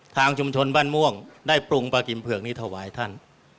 ทางชุมชนบ้านม่วงได้ปรุงปลากิมเผือกนี้ถวายท่าน